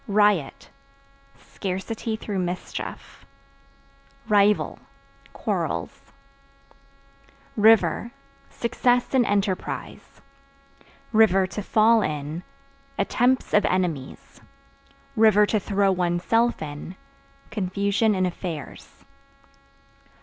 Riot Scarcity through mischief. Rival Quarrels. River Success in enterprise; (to fall in) attempts of enemies; (to throw one's self in) confusion in affairs.